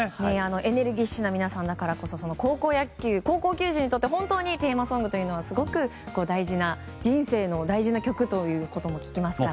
エネルギッシュな皆さんだからこそ高校球児にとって本当にテーマソングはすごく大事な人生の大事な曲ということも聞きますから。